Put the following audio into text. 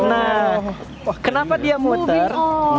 nah kenapa dia muter